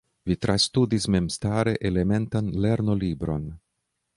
Vi trastudis memstare elementan lernolibron.